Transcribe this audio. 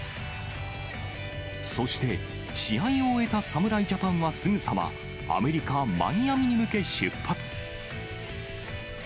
そして、試合を終えた侍ジャパンはすぐさま、アメリカ・マイアミに向け出発。